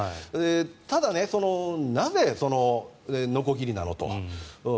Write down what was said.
ただ、なぜのこぎりなのと。